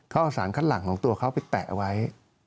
เขาเอาสารคัดหลังของตัวเขาไปแตะเอาไว้